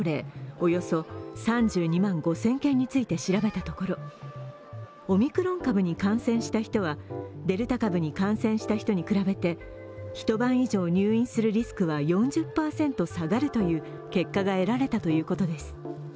およそ３２万５０００件について調べたところオミクロン株に感染した人はデルタ株に感染した人に比べて一晩以上入院するリスクは４０％下がるという結果が得られたということです。